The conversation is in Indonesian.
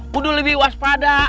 kudu lebih waspada